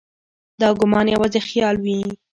دا ګومان یوازې خیال وي.